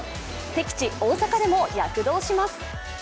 敵地・大阪でも躍動します。